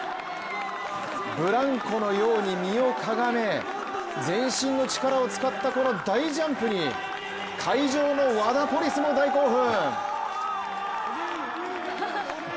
ブランコのように身をかがめ全身の力を使ったこの大ジャンプに、会場のワダポリスも大興奮。